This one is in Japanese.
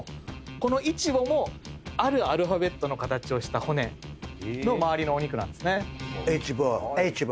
このイチボもあるアルファベットの形をした骨の周りのお肉なんですね。